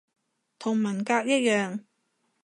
同文革一樣